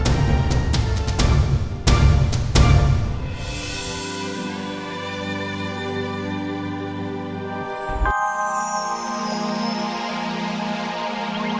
penerbit makanan remote